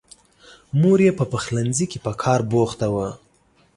مور یې په پخلنځي کې په کار بوخته وه.